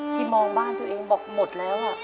ที่มองบ้านตัวเองบอกหมดแล้ว